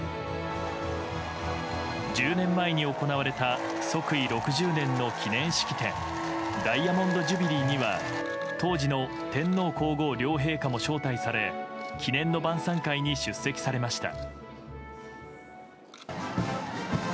１０年前に行われた即位６０年の記念式典ダイヤモンド・ジュビリーには当時の天皇・皇后両陛下も招待され記念の晩さん会に出席されました。